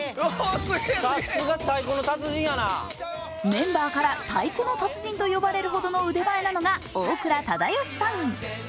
メンバーからの「太鼓の達人」と呼ばれるほどの腕前なのが大倉忠義さん。